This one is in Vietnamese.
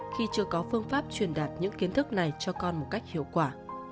khi chưa có phương pháp truyền đạt những kiến thức này cho con một cách hiệu quả